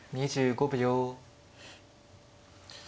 ２５秒。